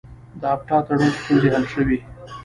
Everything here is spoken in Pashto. د اپټا تړون ستونزې حل شوې؟